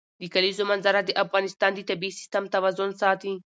د کلیزو منظره د افغانستان د طبعي سیسټم توازن ساتي.